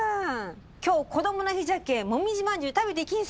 今日こどもの日じゃけんもみじまんじゅう食べていきんさい！